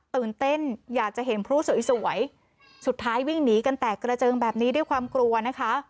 ตื่นเต้นอยากจะเห็นพลุสวยสุดท้ายวิ่งหนีกันแตกกระเจิงแบบนี้ด้วยความกลัวนะคะ